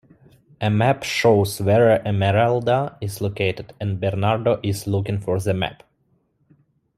A map shows where Emeralda is located, and Bernardo is looking for the map.